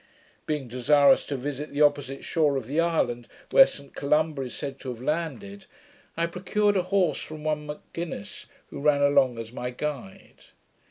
Being desirous to visit the opposite shore of the island, where Saint Columba is said to have landed, I procured a horse from one M'Ginnis, who ran along as my guide.